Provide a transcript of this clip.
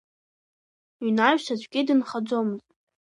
Инаҩс аӡәгьы дынхаӡомызт.